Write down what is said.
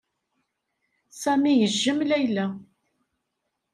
Sami yejjem Layla.